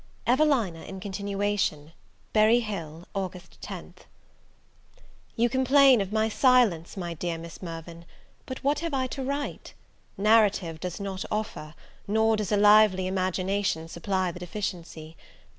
EVELINA IN CONTINUATION. Berry Hill, August 10th. YOU complain of my silence, my dear Miss Mirvan; but what have I to write? Narrative does not offer, nor does a lively imagination supply the deficiency.